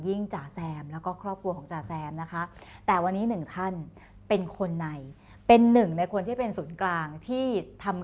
จ๋าแซมแล้วก็ครอบครัวของจ๋าแซมนะคะแต่วันนี้หนึ่งท่านเป็นคนในเป็นหนึ่งในคนที่เป็นศูนย์กลางที่ทำ